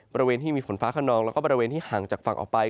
บริเวณที่มีฝนฟ้าขนองแล้วก็บริเวณที่ห่างจากฝั่งออกไป